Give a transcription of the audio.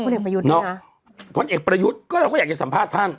พ้นเอกประยุทธ์ด้วยนะพ้นเอกประยุทธ์ก็เราก็อยากจะสัมภาษณ์ท่าน